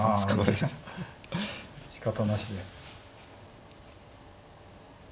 しかたなしで。